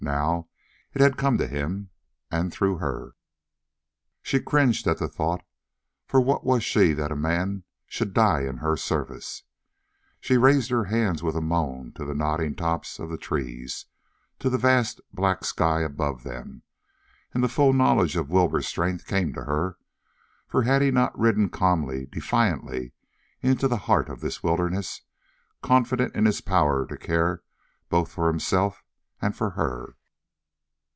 Now it had come to him, and through her. She cringed at the thought, for what was she that a man should die in her service? She raised her hands with a moan to the nodding tops of the trees, to the vast, black sky above them, and the full knowledge of Wilbur's strength came to her, for had he not ridden calmly, defiantly, into the heart of this wilderness, confident in his power to care both for himself and for her?